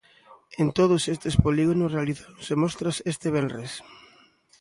En todos estes polígonos realizáronse mostras este venres.